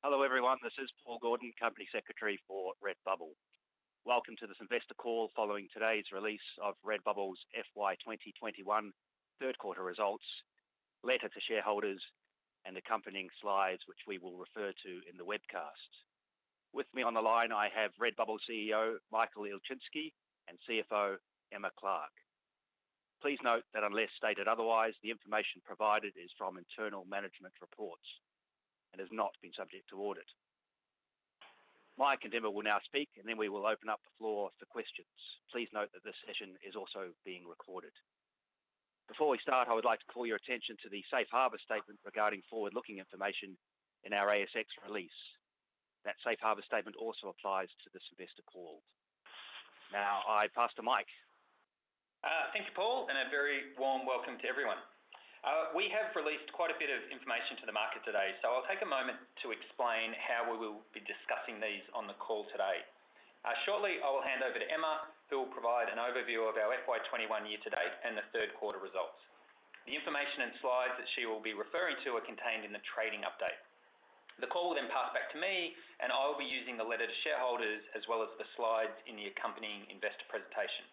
Hello, everyone. This is Paul Gordon, Company Secretary for Redbubble. Welcome to this investor call following today's release of Redbubble's FY 2021 third quarter results, letter to shareholders, and accompanying slides, which we will refer to in the webcast. With me on the line, I have Redbubble CEO, Michael Ilczynski, and CFO, Emma Clark. Please note that unless stated otherwise, the information provided is from internal management reports and has not been subject to audit. Mike and Emma will now speak, and then we will open up the floor for questions. Please note that this session is also being recorded. Before we start, I would like to call your attention to the safe harbor statement regarding forward-looking information in our ASX release. That safe harbor statement also applies to this investor call. Now, I pass to Mike. Thank you, Paul, and a very warm welcome to everyone. We have released quite a bit of information to the market today, I'll take a moment to explain how we will be discussing these on the call today. Shortly, I will hand over to Emma, who will provide an overview of our FY 2021 year-to-date and the third quarter results. The information and slides that she will be referring to are contained in the trading update. The call will then pass back to me, I will be using the letter to shareholders as well as the slides in the accompanying investor presentation.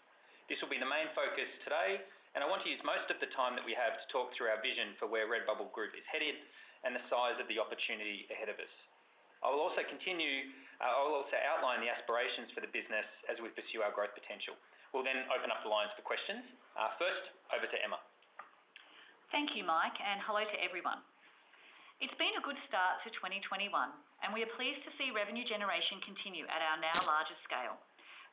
This will be the main focus today, I want to use most of the time that we have to talk through our vision for where Redbubble Group is headed and the size of the opportunity ahead of us. I will also outline the aspirations for the business as we pursue our growth potential. We'll then open up the lines for questions. First, over to Emma. Thank you, Mike, and hello to everyone. It's been a good start to 2021, and we are pleased to see revenue generation continue at our now larger scale.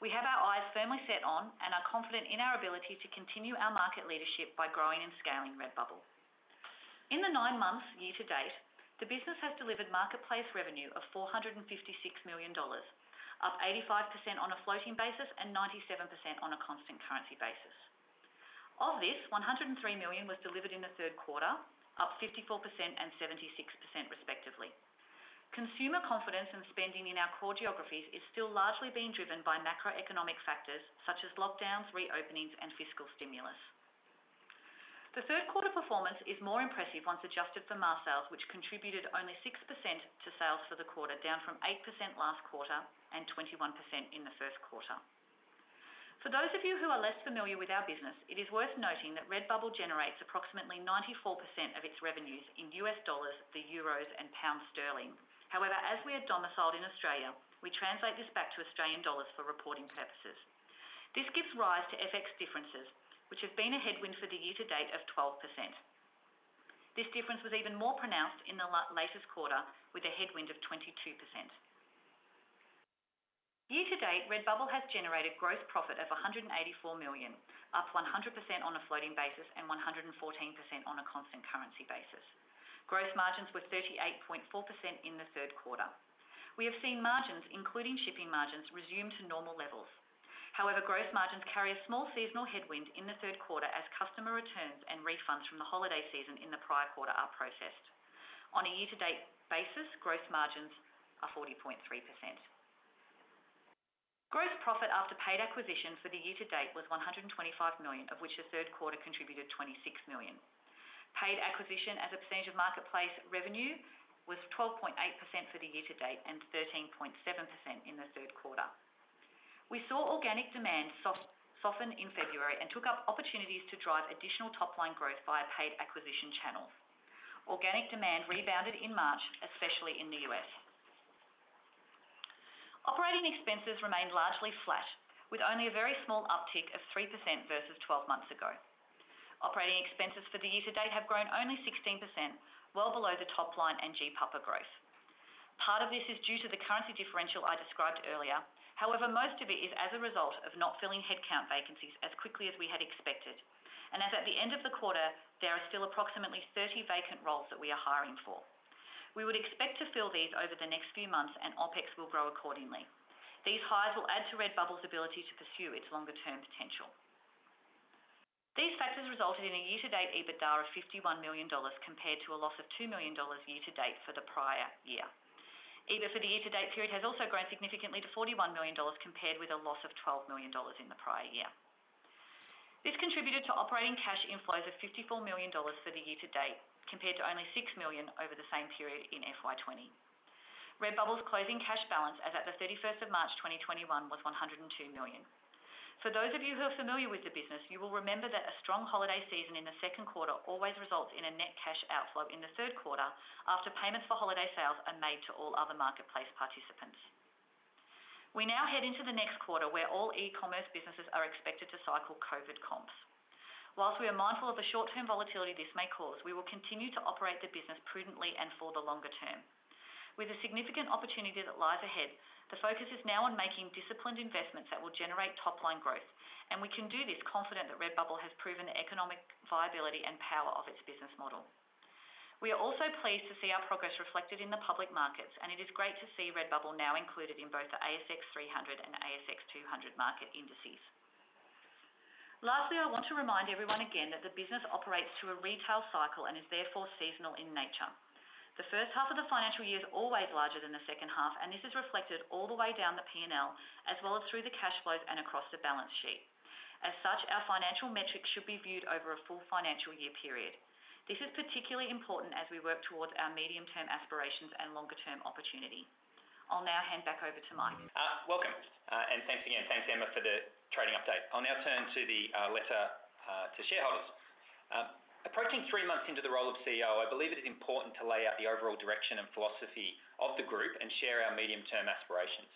We have our eyes firmly set on and are confident in our ability to continue our market leadership by growing and scaling Redbubble. In the nine months year-to-date, the business has delivered marketplace revenue of 456 million dollars, up 85% on a floating basis and 97% on a constant currency basis. Of this, 103 million was delivered in the third quarter, up 54% and 76% respectively. Consumer confidence and spending in our core geographies is still largely being driven by macroeconomic factors such as lockdowns, reopenings, and fiscal stimulus. The third quarter performance is more impressive once adjusted for mask sales, which contributed only 6% to sales for the quarter, down from 8% last quarter and 21% in the first quarter. For those of you who are less familiar with our business, it is worth noting that Redbubble generates approximately 94% of its revenues in U.S. dollars, the euros, and pound sterling. However, as we are domiciled in Australia, we translate this back to Australian dollars for reporting purposes. This gives rise to FX differences, which have been a headwind for the year-to-date of 12%. This difference was even more pronounced in the latest quarter with a headwind of 22%. Year-to-date, Redbubble has generated gross profit of 184 million, up 100% on a floating basis and 114% on a constant currency basis. Gross margins were 38.4% in the third quarter. We have seen margins, including shipping margins, resume to normal levels. However, gross margins carry a small seasonal headwind in the third quarter as customer returns and refunds from the holiday season in the prior quarter are processed. On a year-to-date basis, gross margins are 40.3%. Gross profit after paid acquisition for the year-to-date was 125 million, of which the third quarter contributed 26 million. Paid acquisition as a percentage of marketplace revenue was 12.8% for the year-to-date and 13.7% in the third quarter. We saw organic demand soften in February and took up opportunities to drive additional top-line growth via paid acquisition channels. Organic demand rebounded in March, especially in the U.S. Operating expenses remained largely flat, with only a very small uptick of 3% versus 12 months ago. Operating expenses for the year-to-date have grown only 16%, well below the top line and GPAPA growth. Part of this is due to the currency differential I described earlier. Most of it is as a result of not filling headcount vacancies as quickly as we had expected. As at the end of the quarter, there are still approximately 30 vacant roles that we are hiring for. We would expect to fill these over the next few months, and OpEx will grow accordingly. These hires will add to Redbubble's ability to pursue its longer-term potential. These factors resulted in a year-to-date EBITDA of 51 million dollars compared to a loss of 2 million dollars year-to-date for the prior year. EBIT for the year-to-date period has also grown significantly to 41 million dollars compared with a loss of 12 million dollars in the prior year. This contributed to operating cash inflows of 54 million dollars for the year-to-date, compared to only 6 million over the same period in FY 2020. Redbubble's closing cash balance as at the 31st of March 2021 was 102 million. For those of you who are familiar with the business, you will remember that a strong holiday season in the second quarter always results in a net cash outflow in the third quarter after payments for holiday sales are made to all other marketplace participants. We now head into the next quarter, where all e-commerce businesses are expected to cycle COVID comps. While we are mindful of the short-term volatility this may cause, we will continue to operate the business prudently and for the longer term. With the significant opportunity that lies ahead, the focus is now on making disciplined investments that will generate top-line growth, and we can do this confident that Redbubble has proven the economic viability and power of its business model. We are also pleased to see our progress reflected in the public markets, and it is great to see Redbubble now included in both the ASX 300 and ASX 200 market indices. Lastly, I want to remind everyone again that the business operates to a retail cycle and is therefore seasonal in nature. The first half of the financial year is always larger than the second half, and this is reflected all the way down the P&L as well as through the cash flows and across the balance sheet. As such, our financial metrics should be viewed over a full financial year period. This is particularly important as we work towards our medium-term aspirations and longer-term opportunity. I'll now hand back over to Mike. Welcome, and thanks again. Thanks, Emma, for the trading update. I'll now turn to the letter to shareholders. Approaching three months into the role of CEO, I believe it is important to lay out the overall direction and philosophy of the group and share our medium-term aspirations.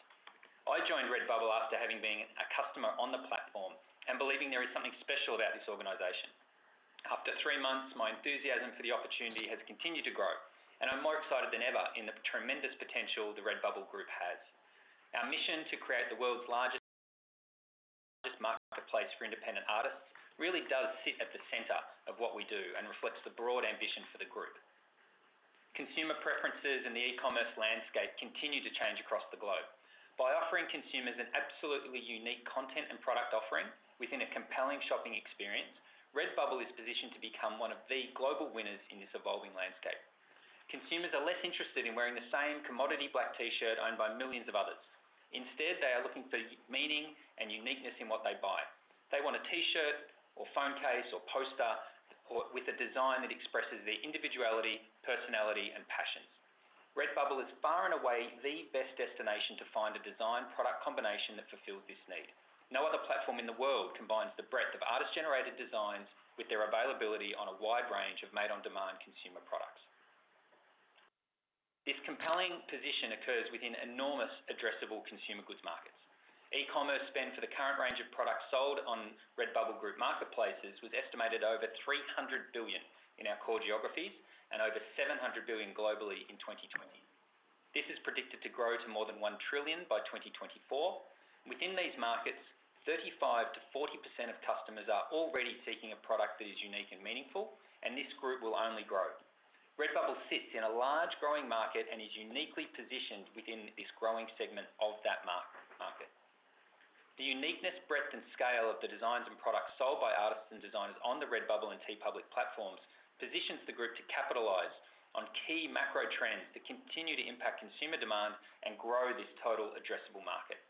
I joined Redbubble after having been a customer on the platform and believing there is something special about this organization. After three months, my enthusiasm for the opportunity has continued to grow, and I'm more excited than ever in the tremendous potential the Redbubble Group has. Our mission to create the world's largest marketplace for independent artists really does sit at the center of what we do and reflects the broad ambition for the group. Consumer preferences in the e-commerce landscape continue to change across the globe. By offering consumers an absolutely unique content and product offering within a compelling shopping experience, Redbubble is positioned to become one of the global winners in this evolving landscape. Consumers are less interested in wearing the same commodity black T-shirt owned by millions of others. Instead, they are looking for meaning and uniqueness in what they buy. They want a T-shirt or phone case or poster with a design that expresses their individuality, personality, and passions. Redbubble is far and away the best destination to find a design product combination that fulfills this need. No other platform in the world combines the breadth of artist-generated designs with their availability on a wide range of made-on-demand consumer products. This compelling position occurs within enormous addressable consumer goods markets. E-commerce spend for the current range of products sold on Redbubble Group marketplaces was estimated over 300 billion in our core geographies and over 700 billion globally in 2020. This is predicted to grow to more than 1 trillion by 2024. Within these markets, 35%-40% of customers are already seeking a product that is unique and meaningful, and this group will only grow. Redbubble sits in a large growing market and is uniquely positioned within this growing segment of that market. The uniqueness, breadth, and scale of the designs and products sold by artists and designers on the Redbubble and TeePublic platforms positions the group to capitalize on key macro trends that continue to impact consumer demand and grow this total addressable market.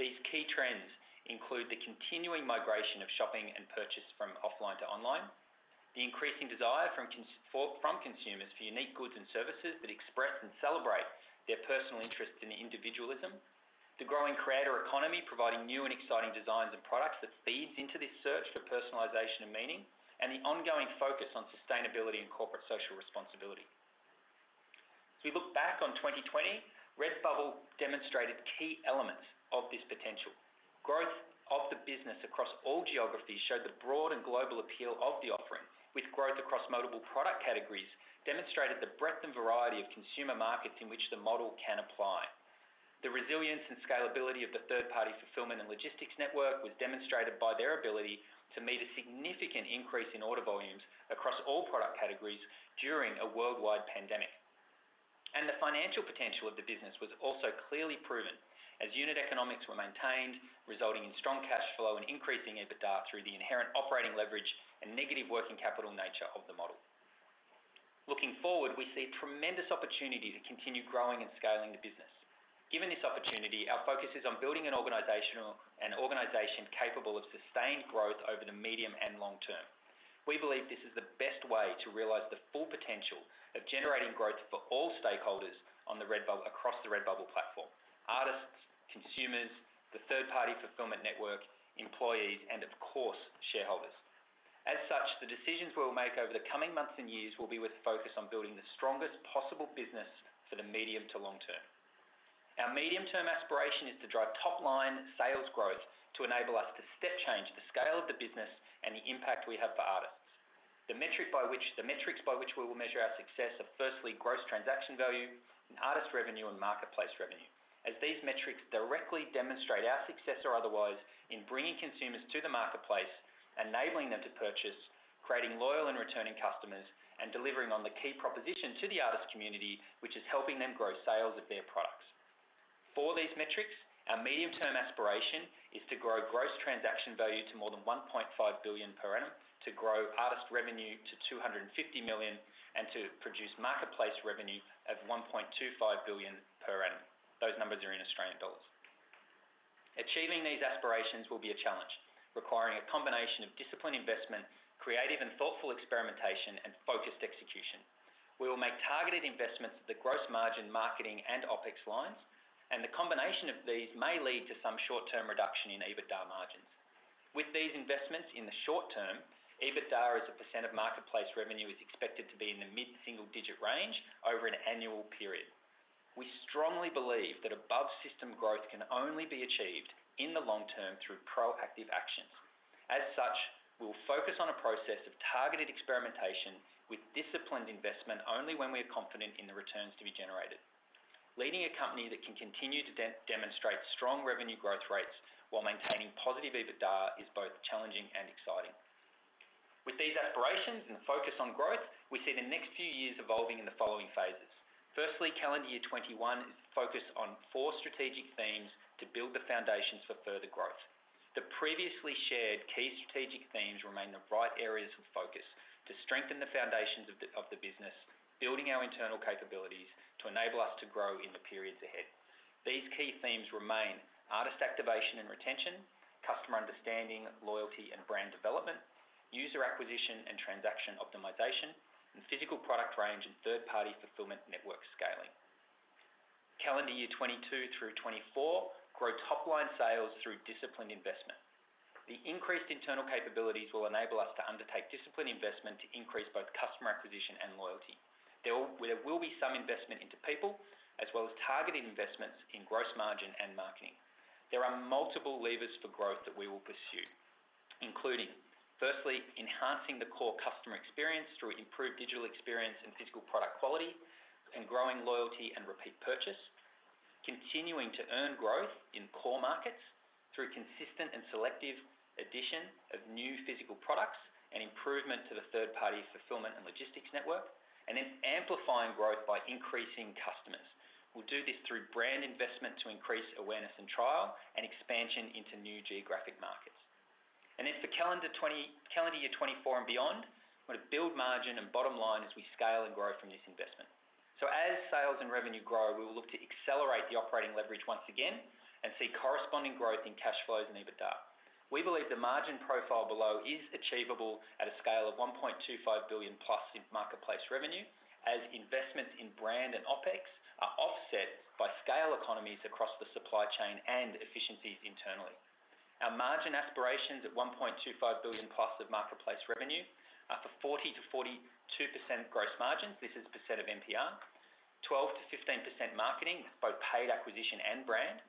These key trends include the continuing migration of shopping and purchase from offline to online, the increasing desire from consumers for unique goods and services that express and celebrate their personal interests in individualism, the growing creator economy providing new and exciting designs and products that feeds into this search for personalization and meaning, and the ongoing focus on sustainability and corporate social responsibility. As we look back on 2020, Redbubble demonstrated key elements of this potential. Growth of the business across all geographies showed the broad and global appeal of the offering, with growth across multiple product categories demonstrated the breadth and variety of consumer markets in which the model can apply. The resilience and scalability of the third-party fulfillment and logistics network was demonstrated by their ability to meet a significant increase in order volumes across all product categories during a worldwide pandemic. The financial potential of the business was also clearly proven as unit economics were maintained, resulting in strong cash flow and increasing EBITDA through the inherent operating leverage and negative working capital nature of the model. Looking forward, we see tremendous opportunity to continue growing and scaling the business. Given this opportunity, our focus is on building an organization capable of sustained growth over the medium and long term. We believe this is the best way to realize the full potential of generating growth for all stakeholders across the Redbubble platform, artists, consumers, the third-party fulfillment network, employees, and of course, shareholders. As such, the decisions we'll make over the coming months and years will be with focus on building the strongest possible business for the medium to long term. Our medium-term aspiration is to drive top-line sales growth to enable us to step change the scale of the business and the impact we have for artists. The metrics by which we will measure our success are firstly, gross transaction value and artist revenue and marketplace revenue, as these metrics directly demonstrate our success or otherwise in bringing consumers to the marketplace, enabling them to purchase, creating loyal and returning customers, and delivering on the key proposition to the artist community, which is helping them grow sales of their products. For these metrics, our medium-term aspiration is to grow gross transaction value to more than 1.5 billion per annum, to grow artist revenue to 250 million, and to produce marketplace revenue of 1.25 billion per annum. Those numbers are in Australian dollars. Achieving these aspirations will be a challenge, requiring a combination of disciplined investment, creative and thoughtful experimentation, and focused execution. We will make targeted investments to the gross margin marketing and OpEx lines, and the combination of these may lead to some short-term reduction in EBITDA margins. With these investments in the short term, EBITDA as a percent of marketplace revenue is expected to be in the mid-single digit range over an annual period. We strongly believe that above-system growth can only be achieved in the long term through proactive actions. As such, we will focus on a process of targeted experimentation with disciplined investment only when we are confident in the returns to be generated. Leading a company that can continue to demonstrate strong revenue growth rates while maintaining positive EBITDA is both challenging and exciting. With these aspirations and focus on growth, we see the next few years evolving in the following phases. Firstly, calendar year 2021 is focused on four strategic themes to build the foundations for further growth. The previously shared key strategic themes remain the right areas of focus to strengthen the foundations of the business, building our internal capabilities to enable us to grow in the periods ahead. These key themes remain: artist activation and retention, customer understanding, loyalty and brand development, user acquisition and transaction optimization, and physical product range and third-party fulfillment network scaling. Calendar year 2022 through 2024, grow top-line sales through disciplined investment. The increased internal capabilities will enable us to undertake disciplined investment to increase both customer acquisition and loyalty. There will be some investment into people, as well as targeted investments in gross margin and marketing. There are multiple levers for growth that we will pursue, including, firstly, enhancing the core customer experience through improved digital experience and physical product quality and growing loyalty and repeat purchase. Continuing to earn growth in core markets through consistent and selective addition of new physical products and improvement to the third-party fulfillment and logistics network. Amplifying growth by increasing customers. We will do this through brand investment to increase awareness and trial, and expansion into new geographic markets. For calendar year 2024 and beyond, we want to build margin and bottom line as we scale and grow from this investment. As sales and revenue grow, we will look to accelerate the operating leverage once again and see corresponding growth in cash flows and EBITDA. We believe the margin profile below is achievable at a scale of 1.25+ billion in marketplace revenue as investments in brand and OpEx are offset by scale economies across the supply chain and efficiencies internally. Our margin aspirations at 1.25+ billion of marketplace revenue are for 40%-42% gross margins. This is percent of MPR. 12%-15% marketing, both paid acquisition and brand.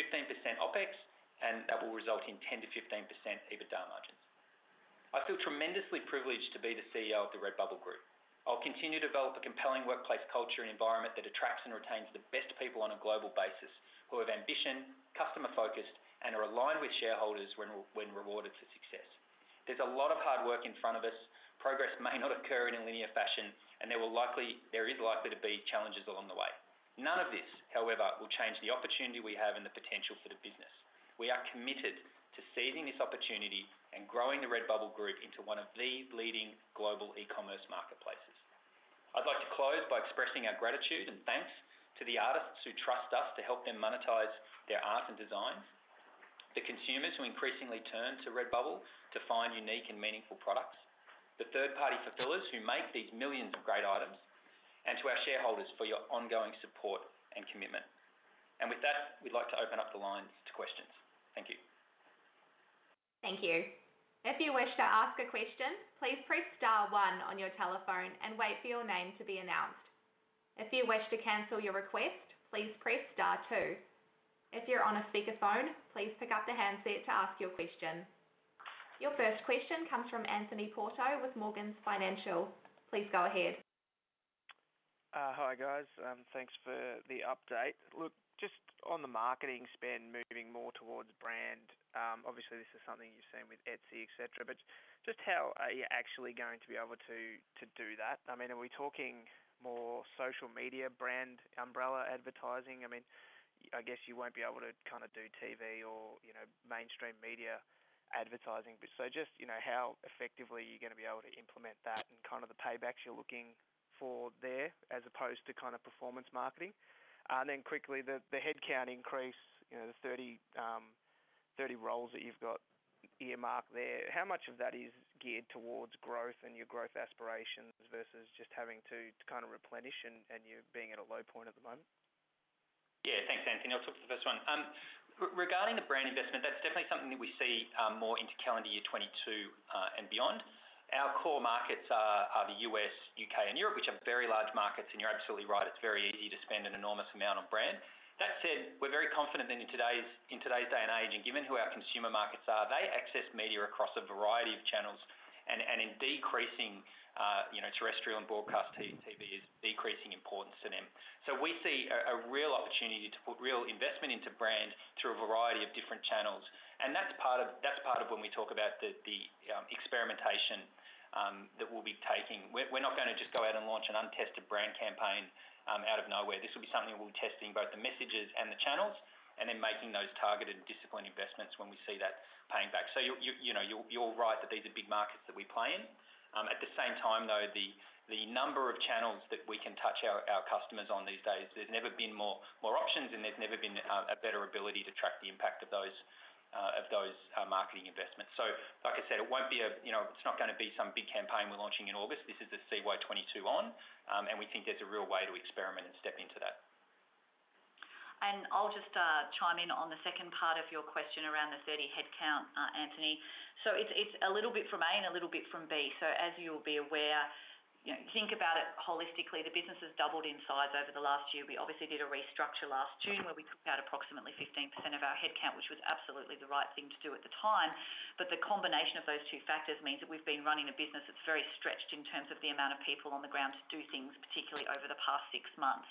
15% OpEx, that will result in 10%-15% EBITDA margins. I feel tremendously privileged to be the CEO of the Redbubble Group. I'll continue to develop a compelling workplace culture and environment that attracts and retains the best people on a global basis, who have ambition, customer-focused, and are aligned with shareholders when rewarded for success. There's a lot of hard work in front of us. Progress may not occur in a linear fashion, and there is likely to be challenges along the way. None of this, however, will change the opportunity we have and the potential for the business. We are committed to seizing this opportunity and growing the Redbubble Group into one of the leading global e-commerce marketplaces. I'd like to close by expressing our gratitude and thanks to the artists who trust us to help them monetize their art and designs, the consumers who increasingly turn to Redbubble to find unique and meaningful products, the third-party fulfillers who make these millions of great items, and to our shareholders for your ongoing support and commitment. With that, we'd like to open up the lines to questions. Thank you. Thank you. If you wish to ask a question, please press star one on your telephone and wait for your name to be announced. If you wish to cancel your request, please press star two. If you're on a speakerphone, please pick up the handset to ask your question. Your first question comes from Anthony Porto with Morgans Financial. Please go ahead. Hi, guys. Thanks for the update. Just on the marketing spend moving more towards brand, obviously, this is something you're seeing with Etsy, etc, but just how are you actually going to be able to do that? Are we talking more social media brand umbrella advertising? I guess you won't be able to do TV or mainstream media advertising. Just how effectively are you going to be able to implement that and the paybacks you're looking for there as opposed to performance marketing? Quickly, the headcount increase, the 30 roles that you've got earmarked there, how much of that is geared towards growth and your growth aspirations versus just having to replenish and you being at a low point at the moment? Yeah. Thanks, Anthony. I'll talk to the first one. Regarding the brand investment, that's definitely something that we see more into calendar year 2022 and beyond. Our core markets are the U.S., U.K., and Europe, which are very large markets, and you're absolutely right, it's very easy to spend an enormous amount on brand. That said, we're very confident in today's day and age, and given who our consumer markets are, they access media across a variety of channels and in decreasing terrestrial and broadcast TV is decreasing importance to them. We see a real opportunity to put real investment into brand through a variety of different channels, and that's part of when we talk about the experimentation that we'll be taking. We're not going to just go out and launch an untested brand campaign out of nowhere. This will be something we'll be testing both the messages and the channels, and then making those targeted and disciplined investments when we see that paying back. You're right that these are big markets that we play in. At the same time, though, the number of channels that we can touch our customers on these days, there's never been more options and there's never been a better ability to track the impact of those marketing investments. Like I said, it's not going to be some big campaign we're launching in August. This is the CY 2022 on. We think there's a real way to experiment and step into that. I'll just chime in on the second part of your question around the 30 headcount, Anthony. It's a little bit from A and a little bit from B. As you'll be aware, think about it holistically. The business has doubled in size over the last year. We obviously did a restructure last June where we took out approximately 15% of our headcount, which was absolutely the right thing to do at the time. The combination of those two factors means that we've been running a business that's very stretched in terms of the amount of people on the ground to do things, particularly over the past six months.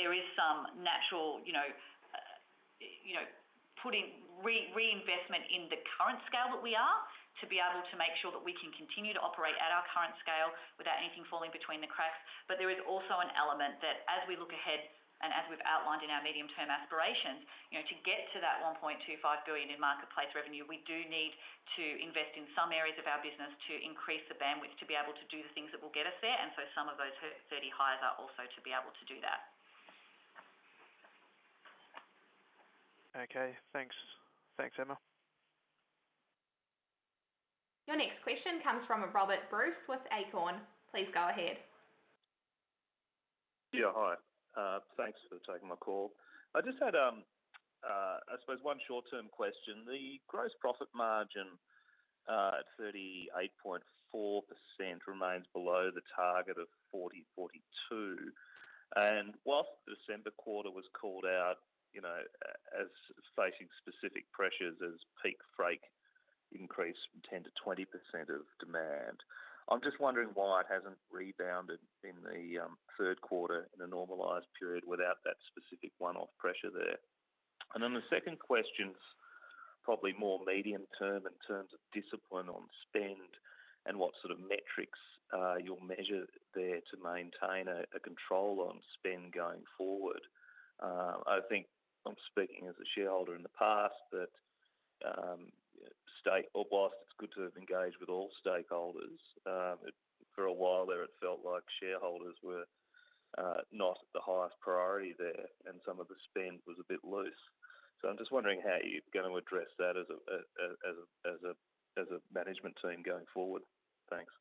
There is some natural reinvestment in the current scale that we are to be able to make sure that we can continue to operate at our current scale without anything falling between the cracks. There is also an element that as we look ahead and as we’ve outlined in our medium-term aspirations, to get to that 1.25 billion in marketplace revenue, we do need to invest in some areas of our business to increase the bandwidth to be able to do the things that will get us there. Some of those 30 hires are also to be able to do that. Okay, thanks. Thanks, Emma. Your next question comes from Robert Bruce with Acorn. Please go ahead. Yeah, hi. Thanks for taking my call. I just had, I suppose, one short-term question. The gross profit margin at 38.4% remains below the target of 40%, 42%. Whilst the December quarter was called out as facing specific pressures as peak freight increased 10%-20% of demand, I'm just wondering why it hasn't rebounded in the third quarter in a normalized period without that specific one-off pressure there. Then the second question's probably more medium-term in terms of discipline on spend and what sort of metrics you'll measure there to maintain a control on spend going forward. I think I'm speaking as a shareholder in the past, that whilst it's good to have engaged with all stakeholders, for a while there it felt like shareholders were not the highest priority there, and some of the spend was a bit loose. I'm just wondering how you're going to address that as a management team going forward. Thanks.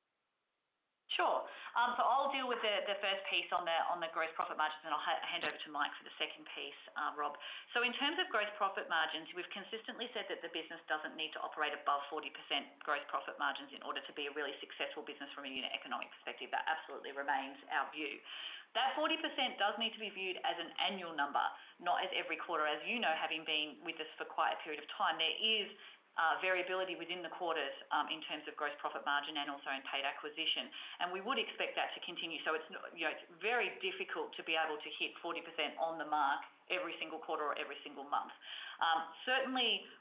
Sure. I'll deal with the first piece on the gross profit margins, and I'll hand over to Mike for the second piece, Rob. In terms of gross profit margins, we've consistently said that the business doesn't need to operate above 40% gross profit margins in order to be a really successful business from a unit economic perspective. That absolutely remains our view. That 40% does need to be viewed as an annual number, not as every quarter. As you know, having been with us for quite a period of time, there is variability within the quarters in terms of gross profit margin and also in paid acquisition. We would expect that to continue. It's very difficult to be able to hit 40% on the mark every single quarter or every single month.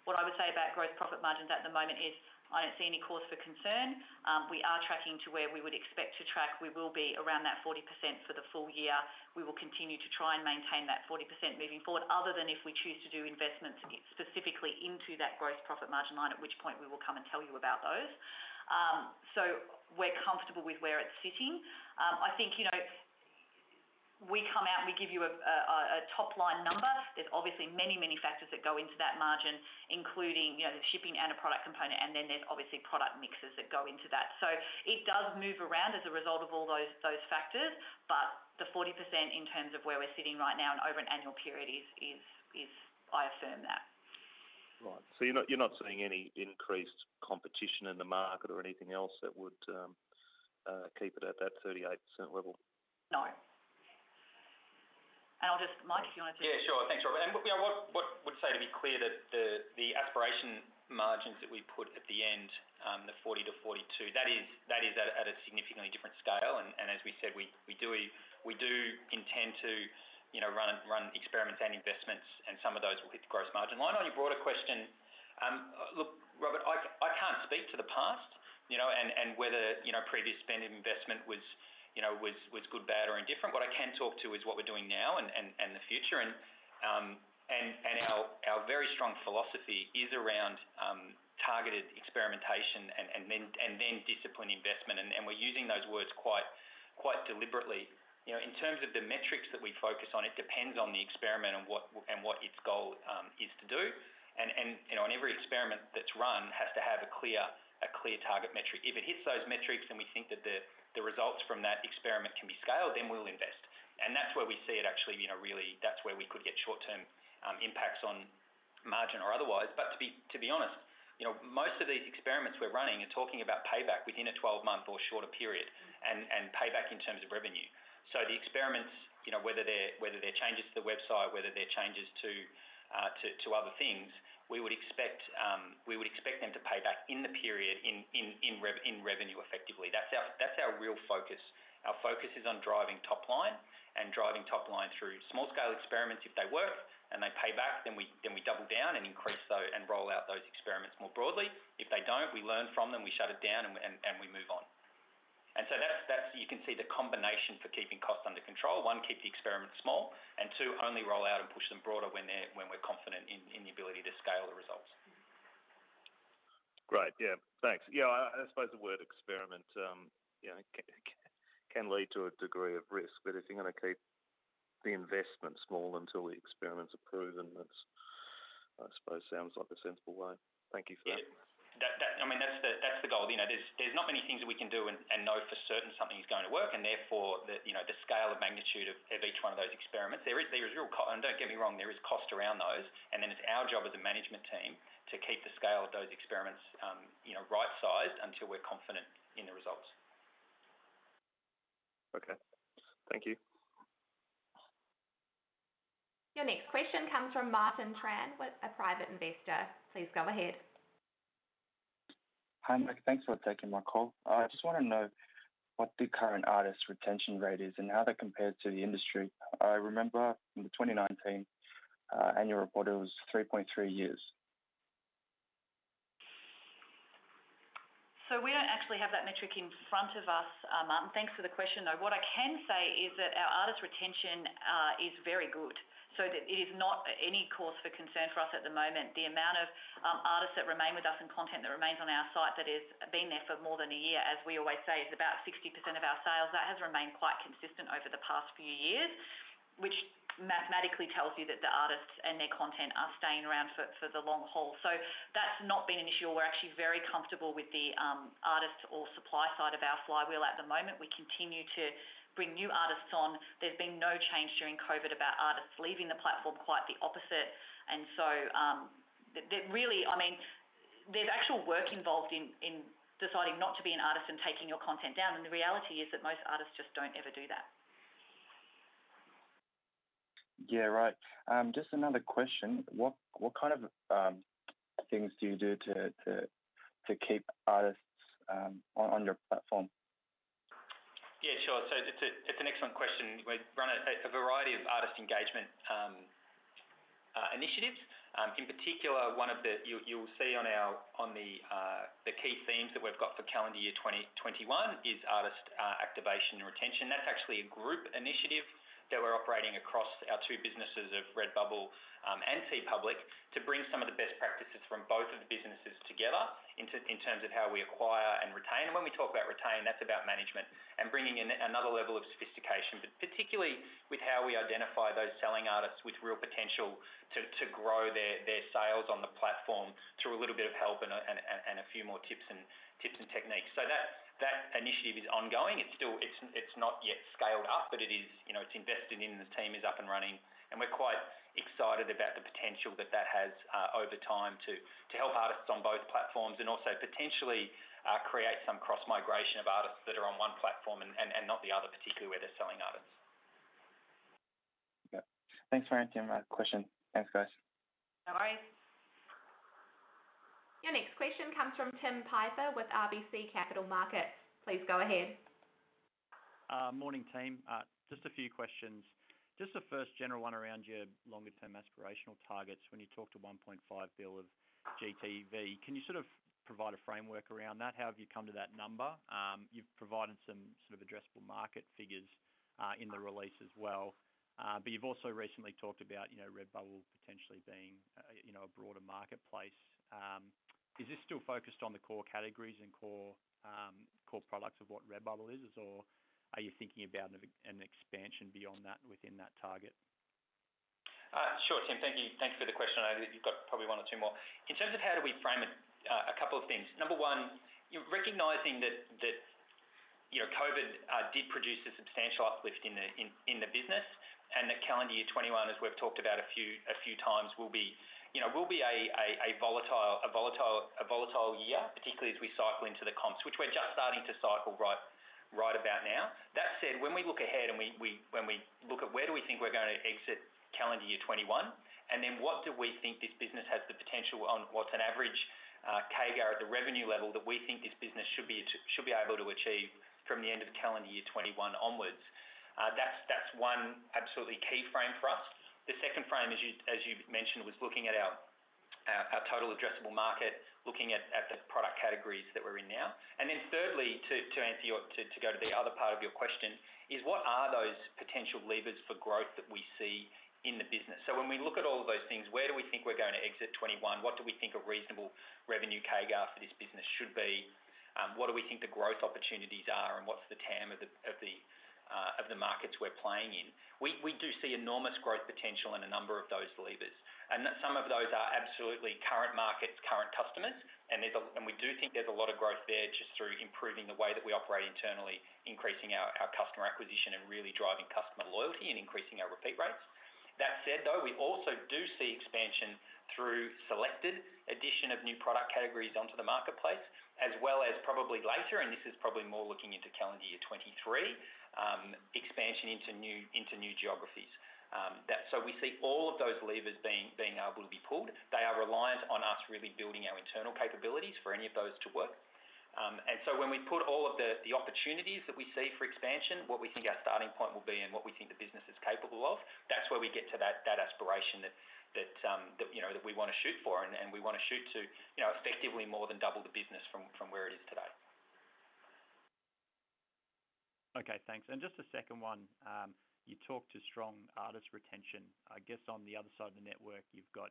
What I would say about gross profit margins at the moment is I don't see any cause for concern. We are tracking to where we would expect to track. We will be around that 40% for the full year. We will continue to try and maintain that 40% moving forward, other than if we choose to do investments specifically into that gross profit margin line, at which point we will come and tell you about those. We're comfortable with where it's sitting. I think, we come out and we give you a top-line number. There's obviously many factors that go into that margin, including the shipping and a product component, and then there's obviously product mixes that go into that. It does move around as a result of all those factors. The 40% in terms of where we're sitting right now and over an annual period is, I affirm that. Right. You're not seeing any increased competition in the market or anything else that would keep it at that 38% level? No. I'll just, Mike. Yeah, sure. Thanks, Robert. What I would say to be clear that the aspiration margins that we put at the end, the 40%-42%, that is at a significantly different scale. As we said, we do intend to run experiments and investments, and some of those will hit the gross margin line. On your broader question, look, Robert, I can't speak to the past, and whether previous spend investment was good, bad, or indifferent. What I can talk to is what we're doing now and, the future and, our very strong philosophy is around targeted experimentation and then disciplined investment, and we're using those words quite deliberately. In terms of the metrics that we focus on, it depends on the experiment and what its goal is to do. On every experiment that's run has to have a clear target metric. If it hits those metrics and we think that the results from that experiment can be scaled, then we'll invest. That's where we see it actually, really, that's where we could get short-term impacts on margin or otherwise. To be honest, most of these experiments we're running are talking about payback within a 12-month or shorter period, and payback in terms of revenue. The experiments, whether they're changes to the website, whether they're changes to other things, we would expect them to pay back in the period in revenue effectively. That's our real focus. Our focus is on driving top-line and driving top-line through small-scale experiments. If they work and they pay back, we double down and increase those and roll out those experiments more broadly. If they don't, we learn from them, we shut it down, and we move on. That's, you can see the combination for keeping costs under control. One, keep the experiments small, and two, only roll out and push them broader when we're confident in the ability to scale the results. Great. Yeah. Thanks. Yeah, I suppose the word experiment can lead to a degree of risk. If you're going to keep the investment small until the experiments are proven, that I suppose sounds like a sensible way. Thank you for that. Yeah. That's the goal. There's not many things that we can do and know for certain something is going to work, and therefore, the scale of magnitude of each one of those experiments. Don't get me wrong, there is cost around those, and then it's our job as a management team to keep the scale of those experiments right-sized until we're confident in the results. Okay. Thank you. Your next question comes from Martin Tran with a private investor. Please go ahead. Hi, Mike. Thanks for taking my call. I just want to know what the current artist retention rate is and how that compares to the industry. I remember in the 2019 annual report, it was 3.3 years. We don't actually have that metric in front of us, Martin. Thanks for the question, though. What I can say is that our artist retention is very good, so that it is not any cause for concern for us at the moment. The amount of artists that remain with us and content that remains on our site that has been there for more than one year, as we always say, is about 60% of our sales. That has remained quite consistent over the past few years, which mathematically tells you that the artists and their content are staying around for the long haul. That's not been an issue. We're actually very comfortable with the artist or supply side of our flywheel at the moment. We continue to bring new artists on. There's been no change during COVID about artists leaving the platform, quite the opposite. There's actual work involved in deciding not to be an artist and taking your content down, and the reality is that most artists just don't ever do that. Yeah, right. Just another question. What kind of things do you do to keep artists on your platform? Yeah, sure. It's an excellent question. We run a variety of artist engagement initiatives. In particular, you'll see on the key themes that we've got for calendar year 2021 is Artist Activation and Retention. That's actually a group initiative that we're operating across our two businesses of Redbubble and TeePublic to bring some of the best practices from both of the businesses together in terms of how we acquire and retain. When we talk about retain, that's about management and bringing in another level of sophistication. Particularly, with how we identify those selling artists with real potential to grow their sales on the platform through a little bit of help and a few more tips and techniques. That initiative is ongoing. It's not yet scaled up, but it's invested in and the team is up and running, and we're quite excited about the potential that that has over time to help artists on both platforms and also potentially create some cross-migration of artists that are on one platform and not the other, particularly where they're selling artists. Yeah. Thanks for answering my question. Thanks, guys. No worries. Your next question comes from Tim Piper with RBC Capital Markets. Please go ahead. Morning, team. Just a few questions. Just the first general one around your longer-term aspirational targets. When you talk to 1.5 billion of GTV, can you sort of provide a framework around that? How have you come to that number? You've provided some sort of addressable market figures in the release as well. You've also recently talked about Redbubble potentially being a broader marketplace. Is this still focused on the core categories and core products of what Redbubble is, or are you thinking about an expansion beyond that within that target? Sure, Tim. Thank you. Thanks for the question. I know that you've got probably one or two more. In terms of how do we frame it, a couple of things. Number one, recognizing that COVID did produce a substantial uplift in the business and that calendar year 2021, as we've talked about a few times, will be a volatile year, particularly as we cycle into the comps, which we're just starting to cycle right about now. That said, when we look ahead and when we look at where do we think we're going to exit calendar year 2021, and then what do we think this business has the potential on, what's an average CAGR at the revenue level that we think this business should be able to achieve from the end of calendar year 2021 onwards? That's one absolutely key frame for us. The second frame, as you mentioned, was looking at our total addressable market, looking at the product categories that we're in now. Thirdly, to go to the other part of your question, is what are those potential levers for growth that we see in the business? When we look at all of those things, where do we think we're going to exit 2021? What do we think a reasonable revenue CAGR for this business should be? What do we think the growth opportunities are, and what's the TAM of the markets we're playing in? We do see enormous growth potential in a number of those levers, and some of those are absolutely current markets, current customers, and we do think there's a lot of growth there just through improving the way that we operate internally, increasing our customer acquisition, and really driving customer loyalty and increasing our repeat rates. That said, though, we also do see expansion through selected addition of new product categories onto the marketplace, as well as probably later, and this is probably more looking into calendar year 2023, expansion into new geographies. We see all of those levers being able to be pulled. They are reliant on us really building our internal capabilities for any of those to work. When we put all of the opportunities that we see for expansion, what we think our starting point will be and what we think the business is capable of, that's where we get to that aspiration that we want to shoot for and we want to shoot to effectively more than double the business from where it is today. Okay, thanks. Just the second one. You talked to strong artist retention. I guess on the other side of the network, you've got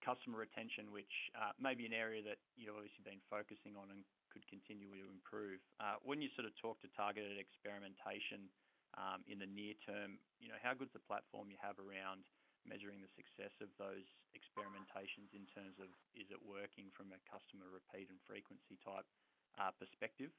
customer retention, which may be an area that you've obviously been focusing on and could continue to improve. When you sort of talk to targeted experimentation, in the near term, how good is the platform you have around measuring the success of those experimentations in terms of, is it working from a customer repeat and frequency-type perspective?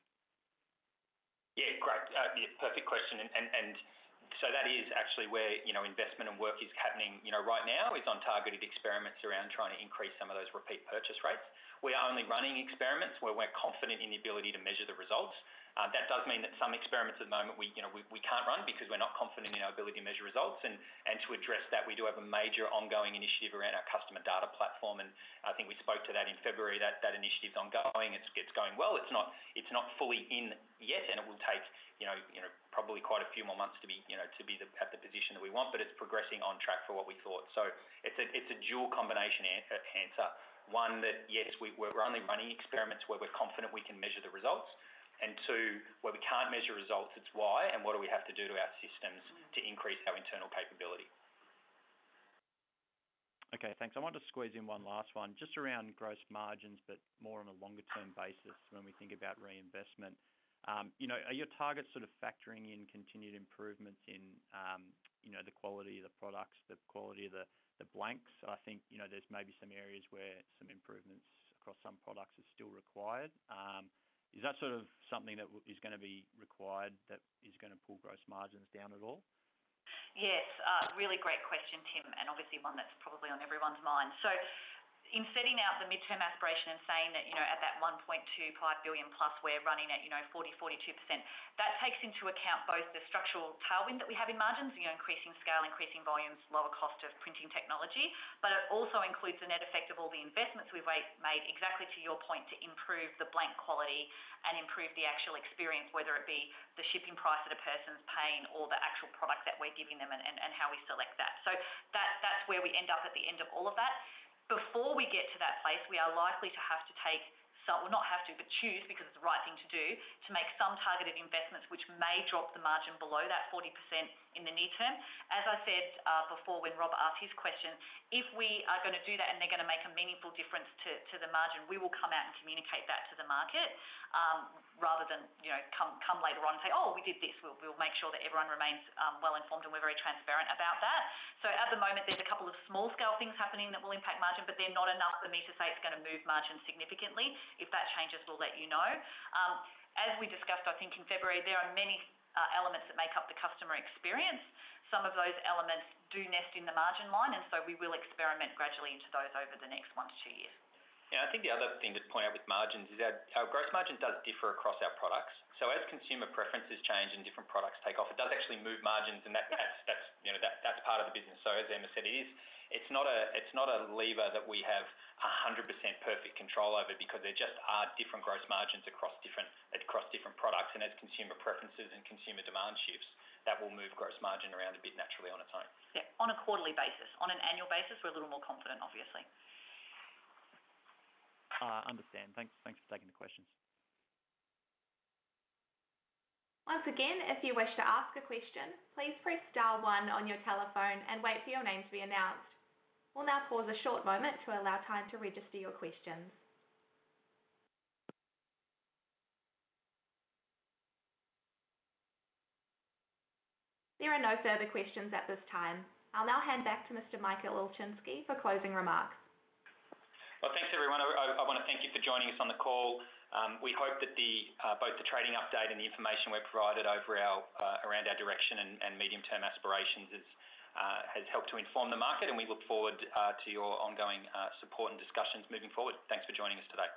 Yeah, great. Yeah, perfect question. That is actually where investment and work is happening right now is on targeted experiments around trying to increase some of those repeat purchase rates. We are only running experiments where we're confident in the ability to measure the results. That does mean that some experiments at the moment we can't run because we're not confident in our ability to measure results. To address that, we do have a major ongoing initiative around our Customer Data Platform, and I think we spoke to that in February. That initiative's ongoing. It's going well. It's not fully in yet, and it will take probably quite a few more months to be at the position that we want, but it's progressing on track for what we thought. It's a dual combination answer. One, that yes, we're only running experiments where we're confident we can measure the results. Two, where we can't measure results, it's why, and what do we have to do to our systems to increase our internal capability. Okay, thanks. I wanted to squeeze in one last one, just around gross margins, but more on a longer-term basis when we think about reinvestment. Are your targets sort of factoring in continued improvements in the quality of the products, the quality of the blanks? I think there's maybe some areas where some improvements across some products are still required. Is that sort of something that is going to be required that is going to pull gross margins down at all? Yes. Really great question, Tim, obviously one that's probably on everyone's mind. In setting out the midterm aspiration and saying that at that 1.25+ billion, we're running at 40%-42%, that takes into account both the structural tailwind that we have in margins, increasing scale, increasing volumes, lower cost of printing technology, but it also includes the net effect of all the investments we've made, exactly to your point, to improve the blank quality and improve the actual experience, whether it be the shipping price that a person's paying or the actual product that we're giving them and how we select that. That's where we end up at the end of all of that. Before we get to that place, we are likely to have to take some, well, not have to, but choose because it's the right thing to do, to make some targeted investments which may drop the margin below that 40% in the near term. As I said before, when Rob asked his question, if we are going to do that and they're going to make a meaningful difference to the margin, we will come out and communicate that to the market. Rather than come later on and say, "Oh, we did this." We'll make sure that everyone remains well-informed, and we're very transparent about that. At the moment, there's a couple of small-scale things happening that will impact margin, but they're not enough for me to say it's going to move margin significantly. If that changes, we'll let you know. As we discussed, I think in February, there are many elements that make up the customer experience. Some of those elements do nest in the margin line, and so we will experiment gradually into those over the next one to two years. I think the other thing to point out with margins is our gross margin does differ across our products. As consumer preferences change and different products take off, it does actually move margins, and that's part of the business. As Emma said, it is. It's not a lever that we have 100% perfect control over because there just are different gross margins across different products. As consumer preferences and consumer demand shifts, that will move gross margin around a bit naturally on its own. Yeah. On a quarterly basis. On an annual basis, we're a little more confident, obviously. Understand. Thanks for taking the questions. Once again if you wish to ask a question, please press star one on your telephone and wait for your name to be announced. We'll now pose a short moment to allow time to register your questions. There are no further questions at this time. I'll now hand back to Mr. Michael Ilczynski for closing remarks. Thanks, everyone. I want to thank you for joining us on the call. We hope that both the trading update and the information we've provided around our direction and medium-term aspirations has helped to inform the market, and we look forward to your ongoing support and discussions moving forward. Thanks for joining us today.